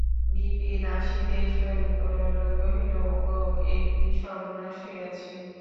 বিপিন আসিতেই শৈল কহিল, ওগো, এ কী সর্বনাশ হইয়াছে?